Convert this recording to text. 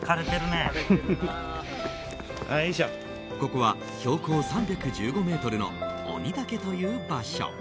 ここは標高３１５ｍの鬼岳という場所。